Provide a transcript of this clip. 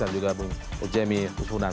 dan juga bu jemmy husunan